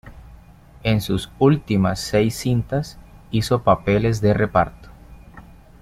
En sus últimas seis cintas hizo papeles de reparto.